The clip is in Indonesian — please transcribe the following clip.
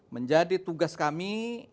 menjadi tugas kami